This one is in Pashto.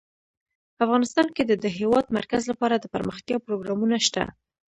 افغانستان کې د د هېواد مرکز لپاره دپرمختیا پروګرامونه شته.